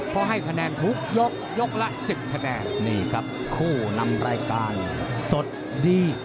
เพราะให้คะแนนทุกยกยกละ๑๐คะแนนนี่ครับคู่นำรายการสดดี